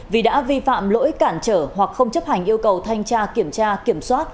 vì đã vi phạm lỗi cản trở hoặc không chấp hành yêu cầu thanh tra kiểm tra kiểm soát